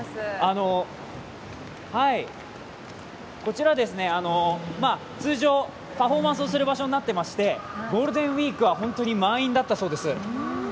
こちら、通常、パフォーマンスをする場所になってましてゴールデンウイークは本当に満員だったそうです。